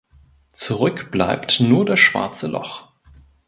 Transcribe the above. Zurück bleibt nur das schwarze Loch.